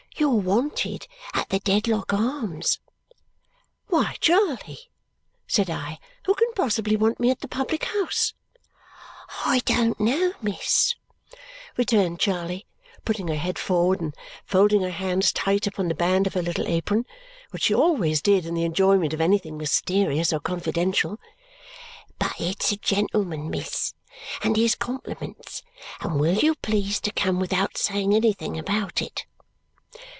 "You're wanted at the Dedlock Arms." "Why, Charley," said I, "who can possibly want me at the public house?" "I don't know, miss," returned Charley, putting her head forward and folding her hands tight upon the band of her little apron, which she always did in the enjoyment of anything mysterious or confidential, "but it's a gentleman, miss, and his compliments, and will you please to come without saying anything about it."